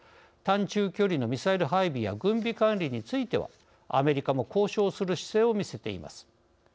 短中距離のミサイル配備や軍備管理についてはアメリカも交渉する姿勢を見せています。